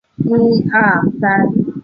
近铁八田站近铁名古屋线之车站。